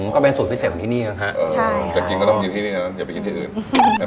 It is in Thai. ก็เป็นสูตรพิเศษของที่นี่นะฮะจะกินก็ต้องกินที่นี่นะอย่าไปกินที่อื่น